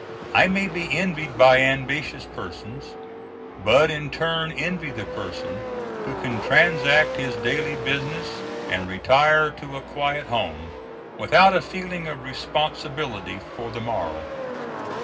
I may be envied by ambitious persons, but I in turn envy the person who can transact his daily business and retire to a quiet home without a feeling of responsibility for the morrow.